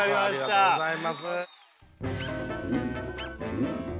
ありがとうございます。